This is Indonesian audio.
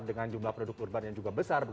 dengan jumlah penduduk urban yang juga besar